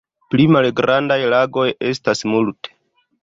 Pli malgrandaj lagoj estas multe.